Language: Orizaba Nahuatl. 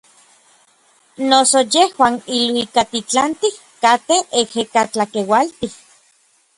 Noso yejuan iluikaktitlantij katej ejekatlakeualtij.